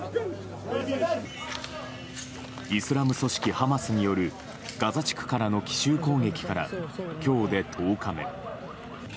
イスラム組織ハマスによるガザ地区からの奇襲攻撃から今日で１０日目。